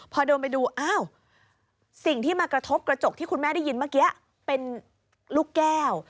พอเดินไปดูอ้าวสิ่งที่มากระทบกระจกที่คุณแม่ได้ยินเมื่อกี้เป็นลูกแก้ว